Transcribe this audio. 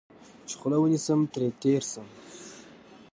چې خوله ونیسم، ترې تېر شوم.